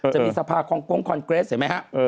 จะมีสภาคองกงคอนเกรสเห็นไหมฮะ